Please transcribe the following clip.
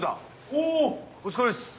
おお疲れっす。